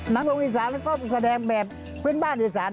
หนังสรุงอิสานก็แสดงแบบพื้นบ้านอิสาน